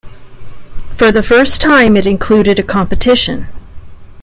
For the first time it included a competition.